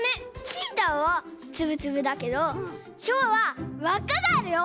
チーターはつぶつぶだけどヒョウはわっかがあるよ。